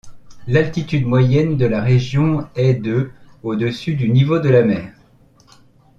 L'altitude moyenne de la région est de au-dessus du niveau de la mer.